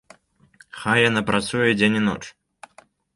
Хай яна працуе дзень і ноч.